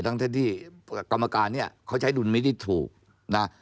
ทั้งที่กรรมการเนี่ยเขาใช้ดุลมิตถูกนะ